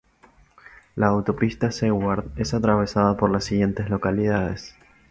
La Autopista Seward es atravesada por las siguientes localidades.